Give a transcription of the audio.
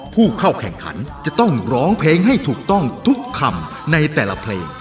ผู้เข้าแข่งขันจะต้องร้องเพลงให้ถูกต้องทุกคำในแต่ละเพลง